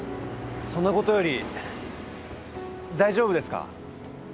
そんなことより大丈夫ですか？